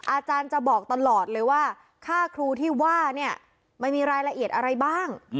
อาจารย์จะบอกตลอดเลยว่าค่าครูที่ว่าเนี่ยมันมีรายละเอียดอะไรบ้าง